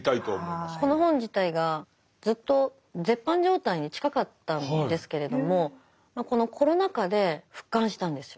この本自体がずっと絶版状態に近かったんですけれどもこのコロナ禍で復刊したんですよ。